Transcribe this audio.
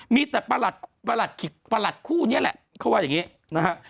มีแต่ประหลัดประหลัดคู่นี้แหละเขาว่าอย่างนี้นะฮะ